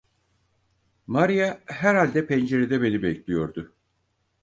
Maria herhalde pencerede beni bekliyordu.